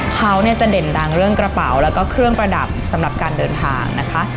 เขาเนี่ยจะเด่นดังเรื่องกระเป๋าแล้วก็เครื่องประดับสำหรับการเดินทางนะคะ